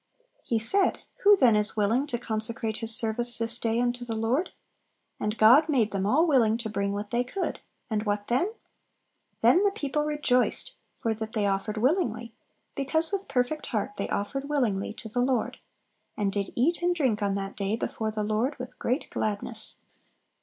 He said, "Who then is willing to consecrate his service this day unto the Lord?" And God made them all willing to bring what they could. And what then? "Then the people rejoiced, for that they offered willingly, because with perfect heart they offered willingly to the Lord." "And did eat and drink on that day before the Lord with great gladness."